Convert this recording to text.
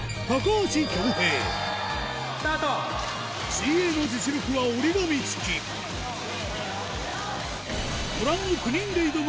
水泳の実力は折り紙付きご覧の９人で挑む